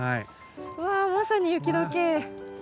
うわまさに雪解け。